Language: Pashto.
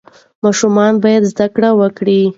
ماشومان باید زده کړه وکړي.